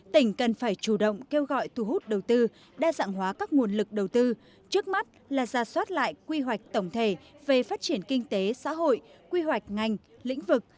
tỉnh cần phải chủ động kêu gọi thu hút đầu tư đa dạng hóa các nguồn lực đầu tư trước mắt là ra soát lại quy hoạch tổng thể về phát triển kinh tế xã hội quy hoạch ngành lĩnh vực